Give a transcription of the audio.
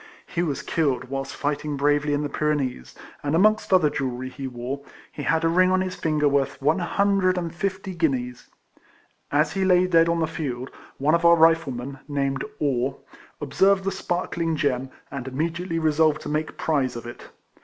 He was killed whilst fighting bravely in the Pyrenees; and amoiigst other jewellery 110 RECOLLECTIONS OF • he wore, he had a ring on his finger worth one hundred and fifty guineas. As he lay dead on the field, one of our Riflemen, named Orr, observed the sparkling gem, and immediately resolved to make prize of it.